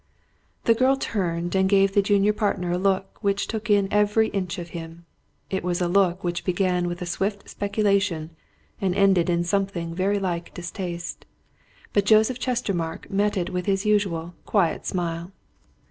The girl turned and gave the junior partner a look which took in every inch of him. It was a look which began with a swift speculation and ended in something very like distaste. But Joseph Chestermarke met it with his usual quiet smile.